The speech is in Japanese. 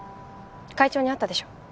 会長に会ったでしょ？